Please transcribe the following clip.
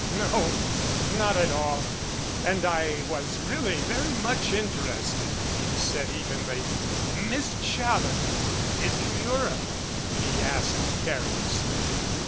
"No not at all. And I was really very much inter ested," he said evenly. "Miss Challoner is in Europe?" he asked carelessly.